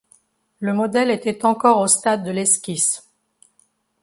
Le modèle était encore au stade de l'esquisse.